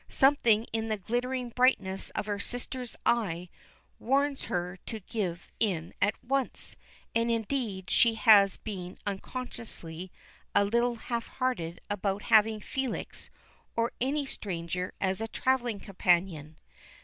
Something in the glittering brightness of her sister's eye warns her to give in at once, and indeed she has been unconsciously a little half hearted about having Felix or any stranger as a travelling companion.